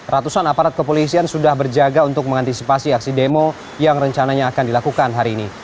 ratusan aparat kepolisian sudah berjaga untuk mengantisipasi aksi demo yang rencananya akan dilakukan hari ini